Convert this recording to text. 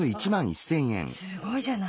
あらすごいじゃない。